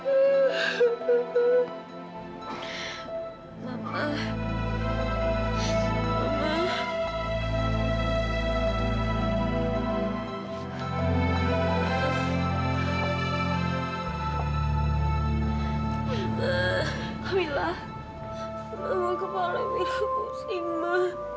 aku apa apa aja yang tak apa apakan ma